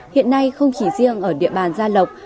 hiện nay không chỉ riêng ở địa bàn gia lộc